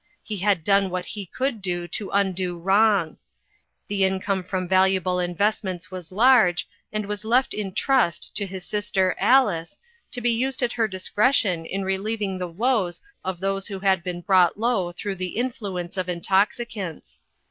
He had done what he could to undo wrong. The THE SUMMER'S STORY. 411 income from valuable investments was large, and was left iu trust to his sister Alice, to be used at her discretion in relieving the woes of those who had been brought low through the influence of intoxicants.